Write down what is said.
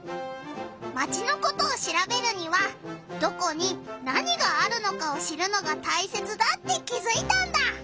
マチのことをしらべるにはどこに何があるのかを知るのがたいせつだって気づいたんだ！